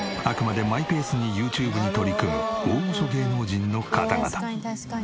あくまでマイペースにＹｏｕＴｕｂｅに取り組む大御所芸能人の方々。